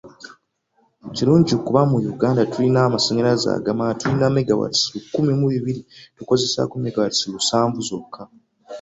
Kirungi kuba mu Uganda tulina amasannyaze agamala, tulina megawatts lukumi mu bibiri tukozesaako megawatts lusanvu zooka.